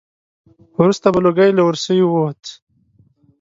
وروسته به لوګی له ورسی ووت.